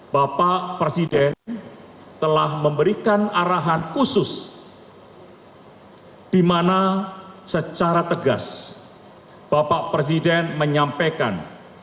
bapak presiden telah memberikan arahan khusus di mana secara tegas bapak presiden menyampaikan